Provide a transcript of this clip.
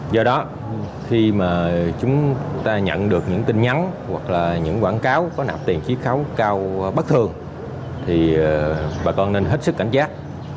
do đó khi mà chúng ta nhận được những tin nhắn hoặc là những quảng cáo có nạp tiền chí khấu cao bất thường thì bà con nên hết sức cảnh giác